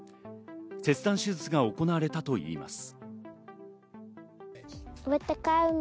切断手術が行われたといいます。